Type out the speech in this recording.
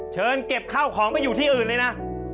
เชิญเก็บข้าวของไปอยู่ที่อื่นเลยนะ